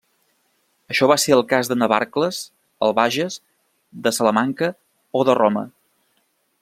Això va ser el cas de Navarcles al Bages, de Salamanca, o de Roma.